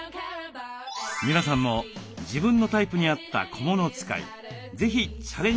皆さんも自分のタイプに合った小物使い是非チャレンジしてみてください。